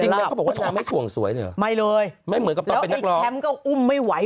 จริงไหมเขาบอกว่าน่าไม่ส่วงสวยสิหรอกไม่เหมือนกับตอนเป็นนักร้องไม่เลยแล้วไอ้แชมป์ก็อุ้มไม่ไหว